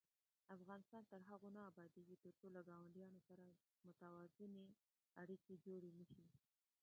افغانستان تر هغو نه ابادیږي، ترڅو له ګاونډیانو سره متوازنې اړیکې جوړې نشي.